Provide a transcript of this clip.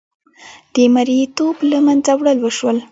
د مریې توب له منځه وړل وشو.